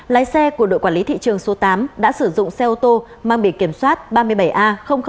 lái xe của đội quản lý thị trường số tám đã sử dụng xe ô tô mang biển kiểm soát ba mươi bảy a ba trăm bốn mươi ba